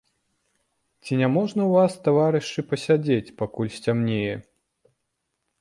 Ці няможна ў вас, таварышы, перасядзець, пакуль сцямнее?